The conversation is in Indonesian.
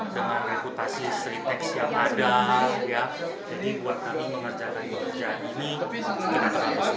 dengan reputasi sritex yang ada jadi buat kami mengerjakan pekerjaan ini kita terlalu sulit